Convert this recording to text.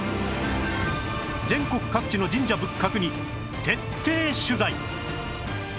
全国各地の神社仏閣に徹底取材